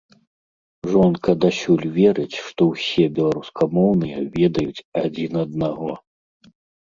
Жонка дасюль верыць, што ўсе беларускамоўныя ведаюць адзін аднаго.